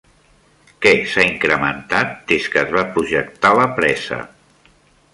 Què s'ha incrementat des que es va projectar la presa?